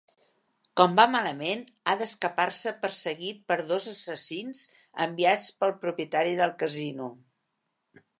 Com va malament, ha d'escapar-se perseguit pels dos assassins enviats pel propietari del casino.